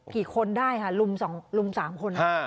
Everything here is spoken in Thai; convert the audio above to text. กี่คนได้ค่ะลุม๓คน